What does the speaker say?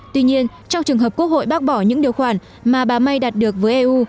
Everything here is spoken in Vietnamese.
tuy nhiên trong trường hợp quốc hội bác bỏ những điều khoản mà bà may đạt được với eu